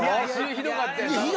ひどかったです。